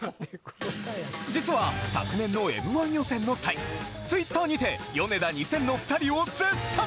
実は昨年の『Ｍ−１』予選の際Ｔｗｉｔｔｅｒにてヨネダ２０００の２人を絶賛！